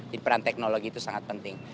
jadi peran teknologi itu sangat penting